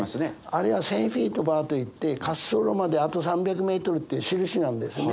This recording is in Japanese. あれは１，０００フィートバーといって滑走路まであと３００メートルっていう印なんですね。